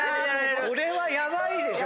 これはヤバいでしょ。